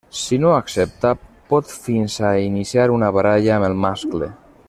Si no accepta, pot fins a iniciar una baralla amb el mascle.